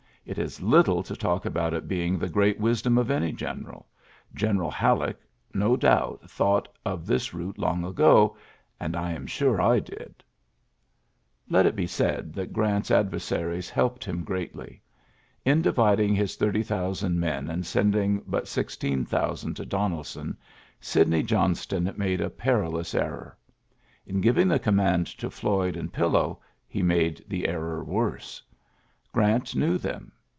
It is little to talk about it being the great wisdom of any general. ... General Halleck no doubt thought of this route long ago, and I am sure I did.'' i ULYSSES S. GEANT 57 Let it be said that Grant's adversaries helped him greatly. Li dividing his thirty thousand men and sending bnt sixteen thousand to Donelson, Sidney Johnston made a perilous error. In giv ing the command to Floyd and Pillow, he made the error worse. Grant knew them.